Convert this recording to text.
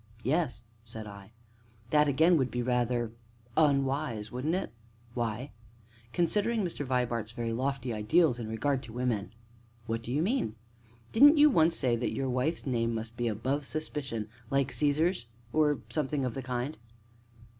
"Yes," said I. "That, again, would be rather unwise, wouldn't it?" "Why?" "Considering Mr. Vibart's very lofty ideals in regard to women." "What do you mean?" "Didn't you once say that your wife's name must be above suspicion like Caesar's or something of the kind?"